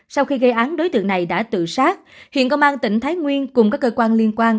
sau khi gây án đối tượng này đã tự sát hiện công an tỉnh thái nguyên cùng các cơ quan liên quan